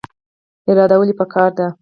اراده ولې پکار ده؟